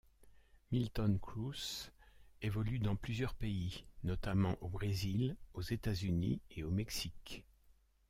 Milton Cruz évolue dans plusieurs pays, notamment au Brésil, aux États-Unis, et au Mexique.